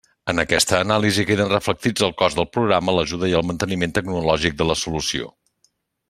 En aquesta anàlisi queden reflectits el cost del programa, l'ajuda i el manteniment tecnològic de la solució.